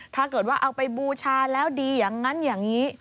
ถ้าเกิดว่าเอาไปบูชาแล้วดีอย่างนั้นอย่างนี้